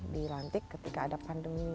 dilantik ketika ada pandemi